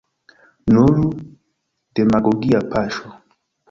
Nur demagogia paŝo.